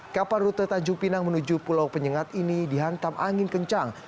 kapal rute tanjung pinang menuju pulau penyengat ini dihantam angin kencang